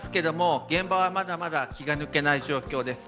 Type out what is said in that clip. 現場はまだまだ気が抜けない状況です。